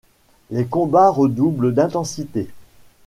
Les combats redoublent d'intensité.